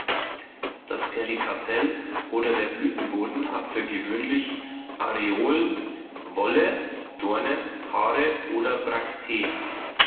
Das Perikarpell oder der Blütenboden hat für gewöhnlich Areolen, Wolle, Dornen, Haare oder Brakteen.